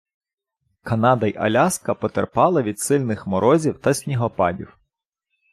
Канада й Аляска потерпали від сильних морозів та снігопадів.